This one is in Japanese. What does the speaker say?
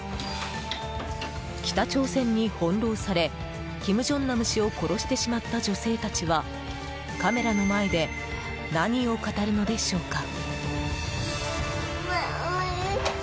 北朝鮮に翻弄され金正男氏を殺してしまった女性たちはカメラの前で何を語るのでしょうか。